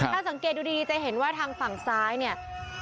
ถ้าสังเกตดูดีจะเห็นว่าทางฝั่งซ้ายเนี่ย